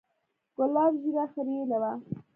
ګلاب ږيره خرييلې وه.